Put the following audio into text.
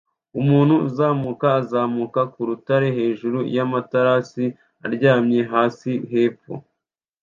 umuntu uzamuka azamuka mu rutare hejuru ya matelas aryamye hasi hepfo